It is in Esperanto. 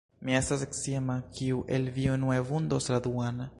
Mi estas sciema, kiu el vi unue vundos la duan!